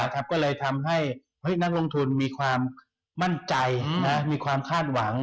ก็เลยทำให้นักลงทุนมีความมั่นใจมีความคาดหวัง